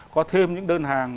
có thêm những đơn hàng